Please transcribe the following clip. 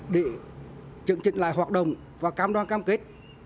để trận trận lại hoạt động và cam đoan cam kết